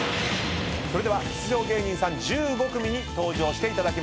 それでは出場芸人さん１５組に登場していただきましょう。